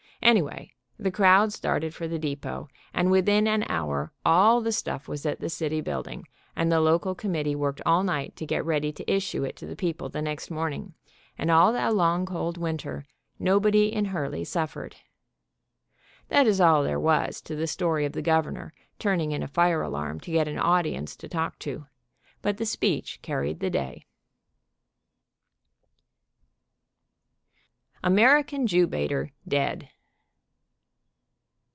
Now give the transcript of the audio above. Anyway, the crowd started for the depot, and within an hour all the stuff was at the city building, and the local committee worked all night to get ready to issue it to the people the next morning and all that long cold winter nobody in Hur ley suffered. That is all there was to the story of the Governor turning in a fire alarm to get an audience to talk to, but the speech carried the day. tio AMERICAN JEW BAITER DEAD.